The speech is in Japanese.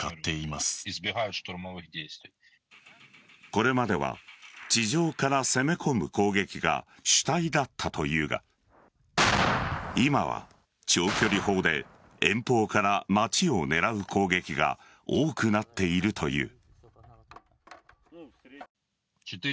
これまでは地上から攻め込む攻撃が主体だったというが今は長距離砲で遠方から街を狙う攻撃が多くなっているという。